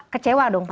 kecewa dong pasti